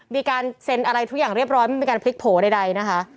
มีการเซ็นอะไรทุกอย่างเรียบร้อยไม่มีการพลิกโผล่ใดนะคะ